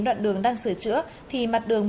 đoạn đường đang sửa chữa thì mặt đường